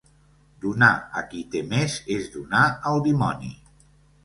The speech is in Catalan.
Donar a qui té més és donar al dimoni.